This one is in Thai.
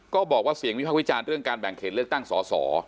ก็บอกว่าเสียงวิพากษ์วิจารณ์เรื่องการแบ่งเขตเลือกตั้งสอสอ